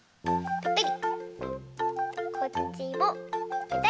ぺたり。